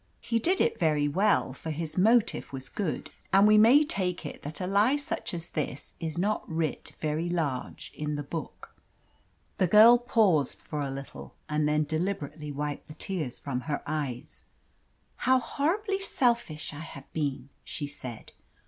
He did it very well; for his motive was good. And we may take it that such a lie as this is not writ very large in the Book. The girl paused for a little, and then deliberately wiped the tears from her eyes. "How horribly selfish I have been!" she said.